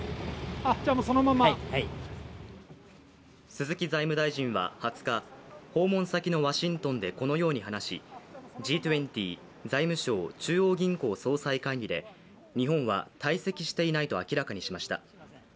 鈴木財務大臣は２０日、訪問先のワシントンでこのように話し、Ｇ２０財務相・中央銀行総裁会議で日本は退席していないと明らかにしました。